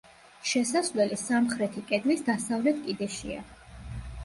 შესასვლელი სამხრეთი კედლის დასავლეთ კიდეშია.